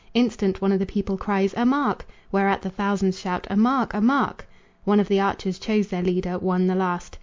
Instant one of the people cries "A mark!" Whereat the thousands shout "A mark! a mark!" One of the archers chose the leader, one the last.